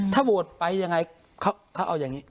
ถ้าโวตไปอย่างไรเค้าเอาอย่างนี้